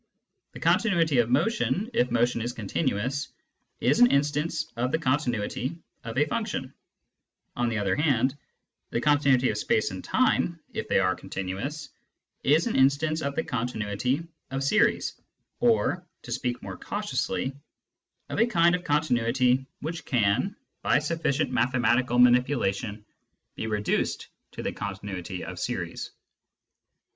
The continuity of motion (if motion is continuous) is an instance of the continuity of a function ; on the other hand, the continuity of space and time (if they are continuous) is an instance of the continuity of series, or (to speak more cautiously) of a kind of continuity which can, by sufficient mathematical Limits and Continuity 105 manipulation, be reduced to the continuity of series.